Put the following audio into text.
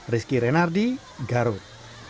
risky renardi garut